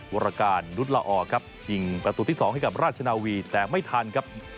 วรการนุษย์ละออครับยิงประตูที่๒ให้กับราชนาวีแต่ไม่ทันครับ